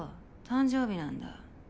誕生日なんだ。